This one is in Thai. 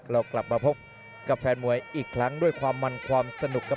เรากลับมาพบกับแฟนมวยอีกครั้งด้วยความมันความสนุกครับ